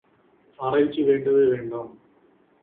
ஆராய்ச்சி வேண்டவே வேண்டாம்!